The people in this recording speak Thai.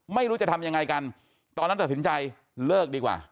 ไม่รู้จะทำยังไงกันตอนนั้นตัดสินใจเลิกดีกว่า